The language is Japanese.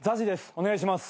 お願いします。